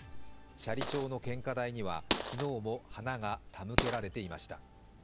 斜里町の献花台には昨日も花が手向けられていました。